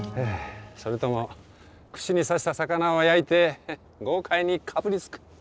それとも串に刺した魚を焼いて豪快にかぶりつく。